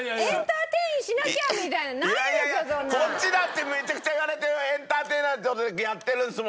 こっちだってめちゃくちゃ言われてよエンターテイナーって事でやってるんですもんね！